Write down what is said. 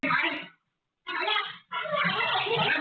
ผมบ้านผมไปผมกลับมา